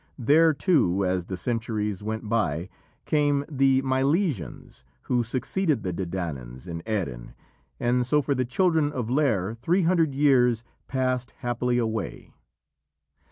There, too, as the centuries went by, came the Milesians, who succeeded the Dedannans in Erin, and so for the children of Lîr three hundred years passed happily away.